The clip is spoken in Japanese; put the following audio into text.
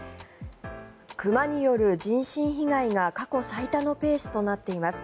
熊による人身被害が過去最多のペースとなっています。